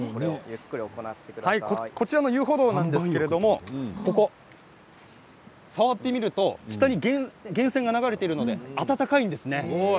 こちらの遊歩道なんですけれど触ってみると下に源泉が流れているので温かいんですね。